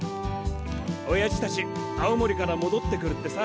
おやじたち青森からもどってくるってさ。